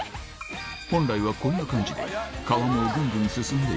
本来はこんな感じで川面をぐんぐん進んでいきます